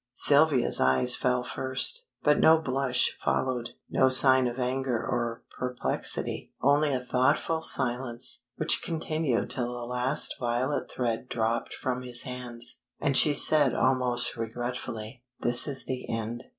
Sylvia's eyes fell first, but no blush followed, no sign of anger or perplexity, only a thoughtful silence, which continued till the last violet thread dropped from his hands, and she said almost regretfully "This is the end."